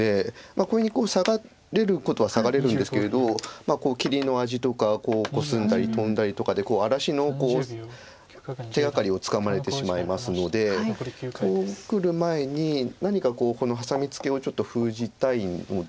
これにサガれることはサガれるんですけれど切りの味とかこうコスんだりトンだりとかで荒らしの手がかりをつかまれてしまいますのでこうくる前に何かこのハサミツケをちょっと封じたいので。